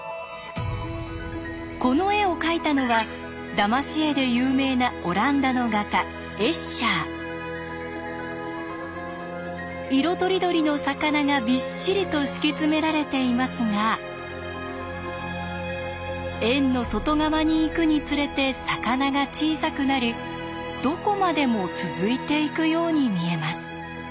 この絵を描いたのはだまし絵で有名なオランダの画家色とりどりの魚がびっしりと敷き詰められていますが円の外側に行くにつれて魚が小さくなりどこまでも続いていくように見えます。